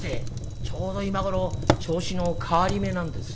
「ちょうど今頃銚子の代り目なんです」。